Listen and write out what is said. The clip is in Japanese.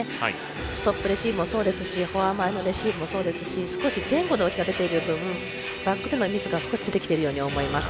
ストップレシーブもそうですしフォア前レシーブもそうですし前後の動きが出てる分バックでのミスが少し出てきてると思います。